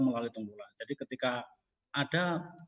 melalui tembulan jadi ketika ada